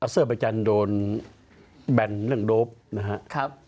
เซอร์ประจันทร์โดนแบนเรื่องโดปนะครับ